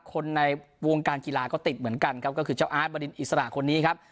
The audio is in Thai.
คนในวงการกีฬาก็ติดเหมือนกันครับก็คือเจ้าอาร์ตบรินอิสระคนนี้ครับ